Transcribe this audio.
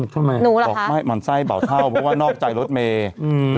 ทำไมหม่อนไส้เบาเท่าเพราะว่านอกใจรถเมล์